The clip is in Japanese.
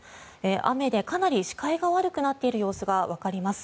雨でかなり視界が悪くなっている様子がわかります。